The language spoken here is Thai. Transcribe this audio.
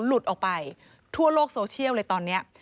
หลุดออกไปทั่วโลกโซเชียลเลยตอนนี้